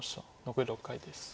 残り６回です。